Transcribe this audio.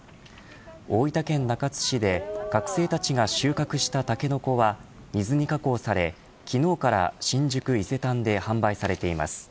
大分県中津市で学生たちが収穫したタケノコは水煮加工され昨日から新宿伊勢丹で販売されています。